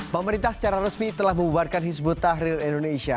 pemerintah secara resmi telah membuarkan hizbut tahrir indonesia